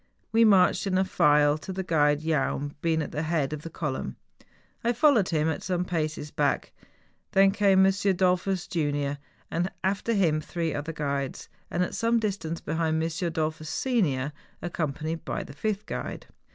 We marched in a file, the guide Jaun being at the head of the column. I followed him at some paces back : then came M. Dollfus, junior; after him three other guides, and at some distance behind, M. Dollfus, senior, ac¬ companied by the fifth guide.